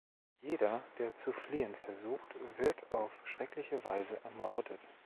Jeder, der zu fliehen versucht, wird auf schreckliche Weise ermordet.